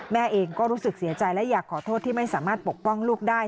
แม่เองก็รู้สึกเสียใจและอยากขอโทษที่ไม่สามารถปกป้องลูกได้